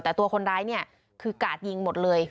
แต่ตัวคนร้ายเนี่ยคือกาดยิงหมดเลย